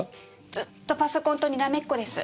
ずっとパソコンとにらめっこです。